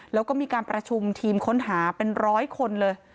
แล้วก็มีการประชุมทีมค้นหาเป็นร้อยคนเลย